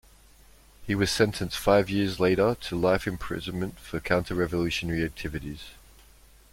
He was sentenced five years later to life imprisonment for counter-revolutionary activities.